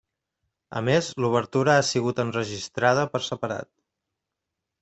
A més, l'obertura ha sigut enregistrada per separat.